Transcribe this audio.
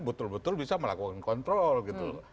betul betul bisa melakukan kontrol gitu loh